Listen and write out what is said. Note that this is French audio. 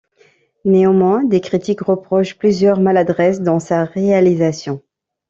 Néanmoins, des critiques reprochent plusieurs maladresses dans sa réalisation.